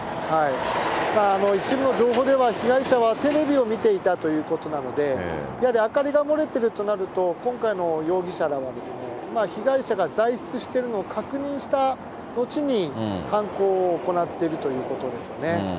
一部の情報では、被害者はテレビを見ていたということなので、やはり明かりが漏れているとなると、今回の容疑者らは、被害者が在室しているのを確認した後に、犯行を行ってるということですよね。